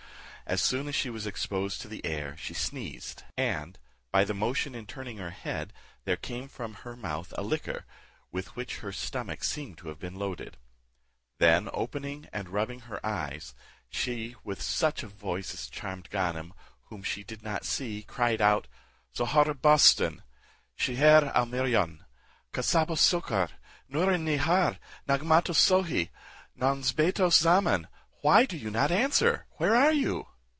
As soon as she was exposed to the air, she sneezed, and, by the motion in turning her head, there came from her mouth a liquor, with which her stomach seemed to have been loaded; then opening and rubbing her eyes, she with such a voice as charmed Ganem, whom she did not see, cried out, "Zohorob Bostan, Shijher al Mirjaun, Casabos Souccar, Nouron Nihar, Nagmatos Sohi, Nonzbetos Zaman, why do you not answer? where are you?"